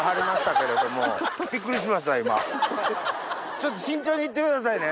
ちょっと慎重にいってくださいね。